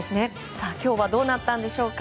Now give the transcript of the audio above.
さあ、今日はどうなったんでしょうか。